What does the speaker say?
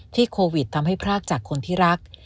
โควิดทำให้พรากจากคนที่รัก